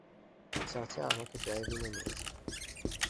চাচা আমাকে ড্রাইভ-ইনে নিয়ে যায়।